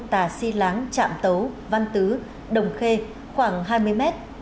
tà si láng trạm tấu văn tứ đồng khê khoảng hai mươi mét